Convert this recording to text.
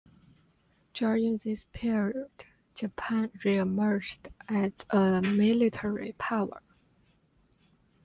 During this period, Japan reemerged as a military power.